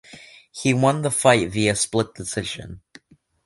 He won the fight via split decision.